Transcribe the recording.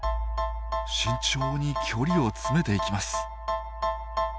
慎重に距離を詰めていきます。